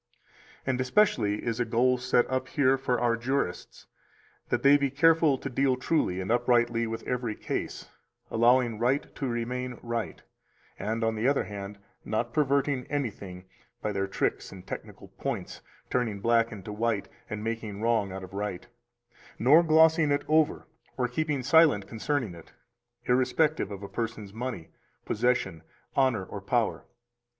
261 And especially is a goal set up here for our jurists that they be careful to deal truly and uprightly with every case, allowing right to remain right, and, on the other hand, not perverting anything [by their tricks and technical points turning black into white and making wrong out to be right], nor glossing it over or keeping silent concerning it, irrespective of a person's money, possession, honor, or power.